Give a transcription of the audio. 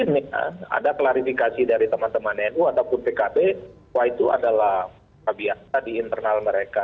ini ada klarifikasi dari teman teman nu ataupun pkb wah itu adalah biasa di internal mereka